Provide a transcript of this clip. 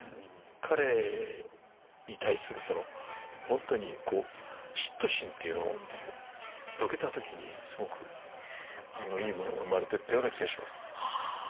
彼に対する本当に嫉妬心というのをどけた時にすごくいいものが生まれていったような気がします。